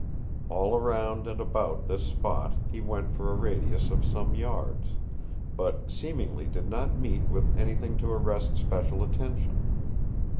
All around and about this spot he went for a radius of some yards; but seemingly did not meet with anything to arrest special attention.